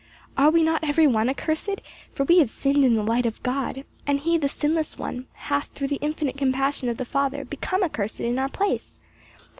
Are we not every one accursed, for we have sinned in the sight of God; and he, the sinless one, hath through the infinite compassion of the Father become accursed in our place.